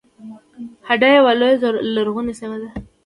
هډه یوه لویه لرغونې سیمه ده